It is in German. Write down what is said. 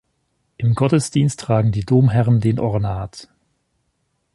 Im Gottesdienst tragen die Domherren den Ornat.